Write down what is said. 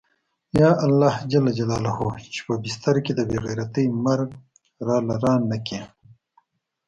يا الله چې په بستر کې د بې غيرتۍ مرگ راله رانه کې.